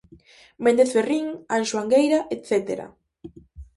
Méndez Ferrín, Anxo Angueira etcétera.